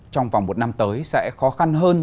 trong vòng một năm tới sẽ khó khăn hơn